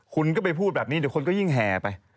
คุณก็ไปพูดแบบนี้เดี๋ยวคนก็ยิ่งแห่ไป